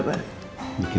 mas mau jatuh